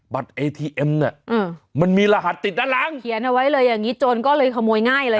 เอทีเอ็มเนี่ยมันมีรหัสติดด้านหลังเขียนเอาไว้เลยอย่างนี้โจรก็เลยขโมยง่ายเลย